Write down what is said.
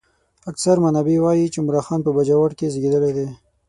اکثر منابع وايي چې عمرا خان په باجوړ کې زېږېدلی دی.